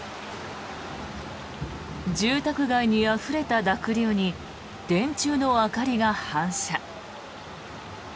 住宅街にあふれた濁流に電柱の明かりが反射。